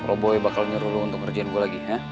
robo boy bakal nyuruh lo untuk kerjain gue lagi ya